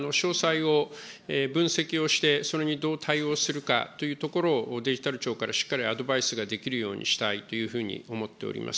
今、詳細を分析をして、それにどう対応するかというところをデジタル庁から、しっかりアドバイスができるようにしたいというふうに思っております。